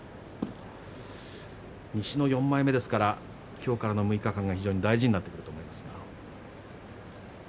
西の４枚目ですから今日からの６日間が非常に大事になってくると思います。